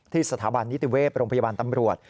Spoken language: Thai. สถาบันนิติเวศโรงพยาบาลตำรวจ